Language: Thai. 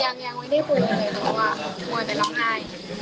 อยากให้สังคมรับรู้ด้วย